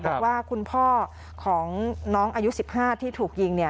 บอกว่าคุณพ่อของน้องอายุ๑๕ที่ถูกยิง